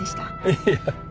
いや。